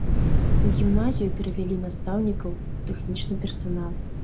У гімназію перавялі настаўнікаў, тэхнічны персанал.